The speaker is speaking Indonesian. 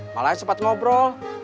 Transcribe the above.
malah sempat ngobrol